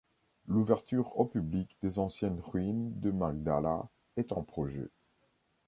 L'ouverture au public des anciennes ruines de Magdala est en projet.